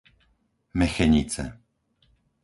Mechenice